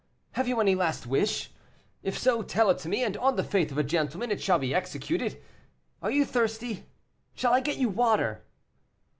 Have you any last wish? If so, tell it to me; and, on the faith of a gentleman, it shall be executed. Are you thirsty? Shall I get you water?"